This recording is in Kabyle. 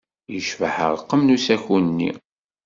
Yecbeḥ ṛṛqem n usaku-nni.